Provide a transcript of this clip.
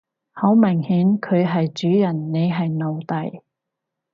好明顯佢係主人你係奴隸